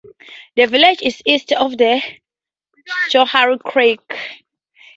The village is east of the Schoharie Creek.